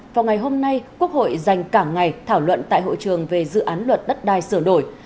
vào ngày hôm nay quốc hội dành cả ngày thảo luận tại hội trường về dự án luật đất đai sửa đổi